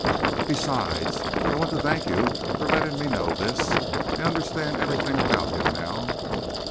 "Besides, I want to thank you for letting me know this. I understand everything about him now!"